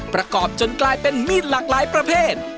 ประกอบจนกลายเป็นมีดหลากหลายประเภท